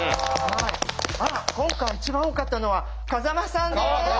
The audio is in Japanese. あら今回一番多かったのは風間さんです。